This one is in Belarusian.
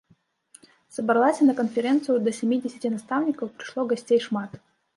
Сабралася на канферэнцыю да сямідзесяці настаўнікаў, прыйшло гасцей шмат.